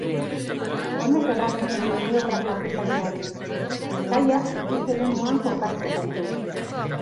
Honek errazten du maniobra kapitainari, kaia ikus-eremuan kokatzen baitu.